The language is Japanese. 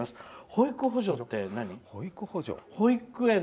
保育補助って何？